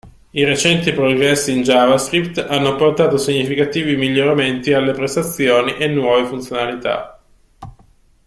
I recenti progressi in JavaScript hanno portato significativi miglioramenti alle prestazioni e nuove funzionalità.